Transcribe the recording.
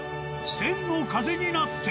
千の風になって。